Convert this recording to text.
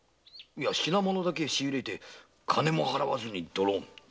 品物だけ仕入れて金も払わずにドロン。